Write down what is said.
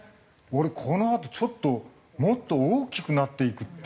俺このあとちょっともっと大きくなっていくっていう風に。